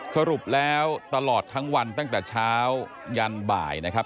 สรุปแล้วตลอดทั้งวันตั้งแต่เช้ายันบ่ายนะครับ